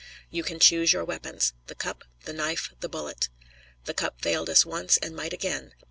You can choose your weapons. The cup, the knife, the bullet. The cup failed us once, and might again.